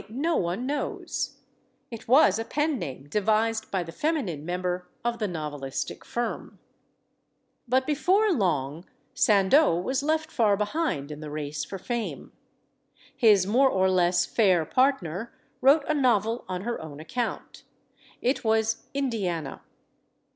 no one knows. It was a pen name devised by the feminine member of the novelistic firm. But before long Sandeau was left far behind in the race for fame. His more or less fair partner wrote a novel on her own account. It was "Indiana."